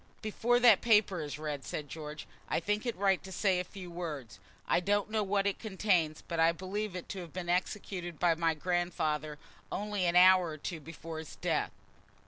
"Before that paper is read," said George, "I think it right to say a few words. I don't know what it contains, but I believe it to have been executed by my grandfather only an hour or two before his death."